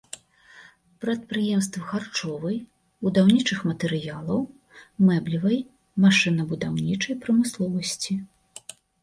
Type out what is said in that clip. Прадпрыемствы харчовай, будаўнічых матэрыялаў, мэблевай, машынабудаўнічай прамысловасці.